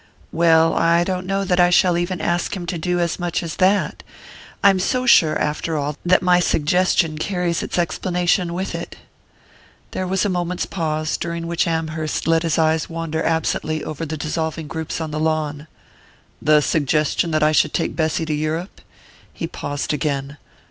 "Well, I don't know that I shall even ask him to do as much as that I'm so sure, after all, that my suggestion carries its explanation with it." There was a moment's pause, during which Amherst let his eyes wander absently over the dissolving groups on the lawn. "The suggestion that I should take Bessy to Europe?" He paused again.